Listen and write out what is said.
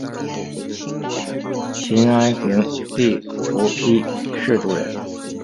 秦哀平帝苻丕氐族人。